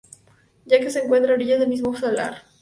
Ya que se encuentra a orillas del mismos salar.